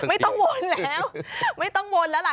ไม่ต้องวนแล้วไม่ต้องวนแล้วล่ะ